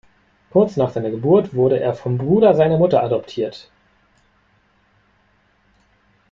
Kurz nach seiner Geburt wurde er vom Bruder seiner Mutter adoptiert.